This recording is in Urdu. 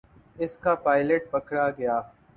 اس کا پائلٹ پکڑا گیا۔